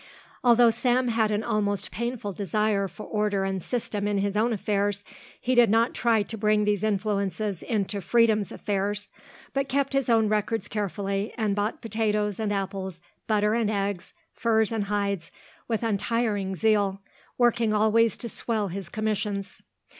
Although Sam had an almost painful desire for order and system in his own affairs, he did not try to bring these influences into Freedom's affairs, but kept his own records carefully and bought potatoes and apples, butter and eggs, furs and hides, with untiring zeal, working always to swell his commissions.